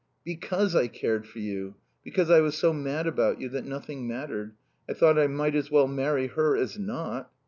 "Because I cared for you. Because I was so mad about you that nothing mattered. I thought I might as well marry her as not."